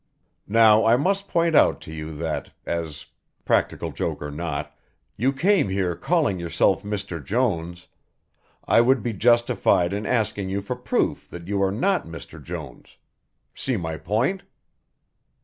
"Now I must point out to you that, as practical joke or not you came here calling yourself Mr. Jones, I would be justified in asking you for proof that you are not Mr. Jones. See my point?"